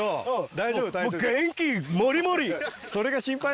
大丈夫？